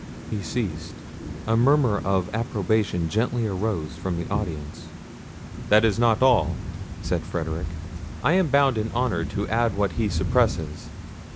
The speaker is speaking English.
He ceased. A murmur of approbation gently arose from the audience. "This is not all," said Frederic; "I am bound in honour to add what he suppresses.